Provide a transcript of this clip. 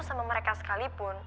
sama mereka sekalipun